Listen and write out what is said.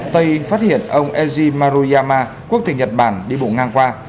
tây phát hiện ông eji maruyama quốc tịch nhật bản đi bộ ngang qua